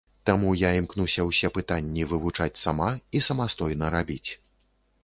Таму я імкнуся ўсе пытанні вывучаць сама і самастойна рабіць.